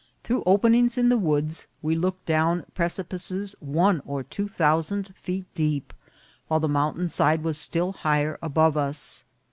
Through openings in the woods we looked down pre cipices one or two thousand feet deep, while the mountain side was still higher above us.